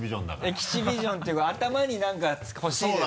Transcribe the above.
エキシビションっていうか頭に何かほしいです。